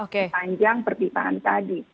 di panjang pertipaan tadi